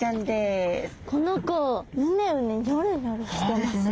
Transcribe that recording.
この子うねうねニョロニョロしてますね。